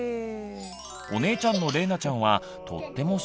お姉ちゃんのれいなちゃんはとっても静か。